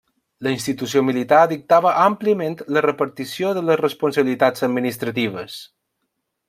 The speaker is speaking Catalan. La institució militar dictava àmpliament la repartició de les responsabilitats administratives.